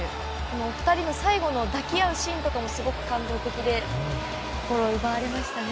お二人の最後の抱き合うシーンなんかもすごく感動的で心を奪われましたね。